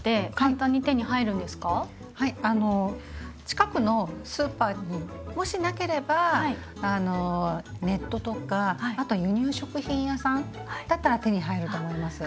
近くのスーパーにもしなければネットとかあと輸入食品屋さんだったら手に入ると思います。